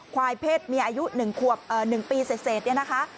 ควายเพศมีอายุ๑ปีเศษนะคะ